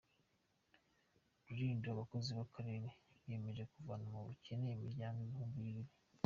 Rulindo Abakozi b’akarere biyemeje kuvana mu bukene imiryango ibihumbi bibiri